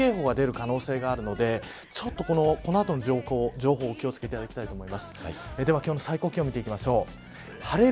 こちら暴風警報が出る可能性があるのでこの後の情報にお気を付けいただきたいと思います。